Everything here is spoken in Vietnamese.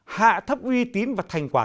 hạ thấp uy tín và thành quả